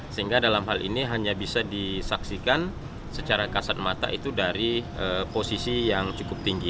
sehingga dalam hal ini hanya bisa disaksikan secara kasat mata itu dari posisi yang cukup tinggi